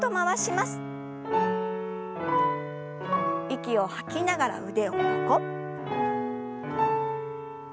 息を吐きながら腕を横。